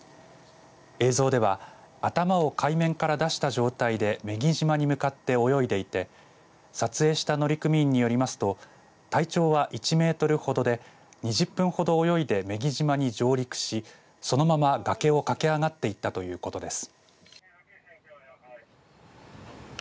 映像では頭を海面から出した状態で女木島に向かって泳いでいて撮影した乗組員によりますと体長は１メートルほどで２０分ほど泳いで女木島に上陸しそのまま崖を駆け上がっていったということです。